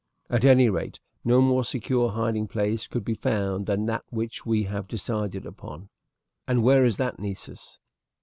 At any rate, no more secure hiding place could be found than that which we have decided upon." "And where is that, Nessus?"